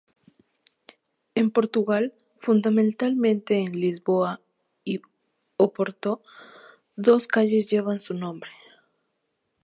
En Portugal, fundamentalmente en Lisboa y Oporto, dos calles llevan su nombre.